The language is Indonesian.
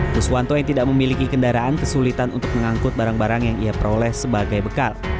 kuswanto yang tidak memiliki kendaraan kesulitan untuk mengangkut barang barang yang ia peroleh sebagai bekal